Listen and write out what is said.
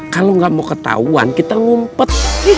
kalo gak mau ketauan kita ngumpet